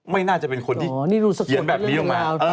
ไม่น่าจะเป็นคนที่เขียนแบบนี้ลงมา